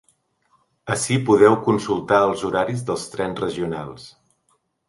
Ací podeu consultar els horaris dels trens regionals.